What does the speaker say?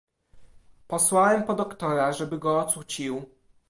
"Posłałem po doktora, żeby go ocucił“."